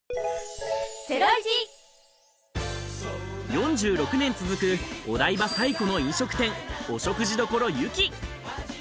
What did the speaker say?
４６年続く、お台場最古の飲食店、お食事処ゆき。